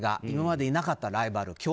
今までいなかったライバル。